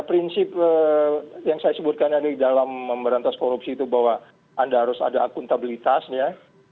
prinsip yang saya sebutkan tadi dalam memberantas korupsi itu bahwa anda harus ada akuntabilitas ya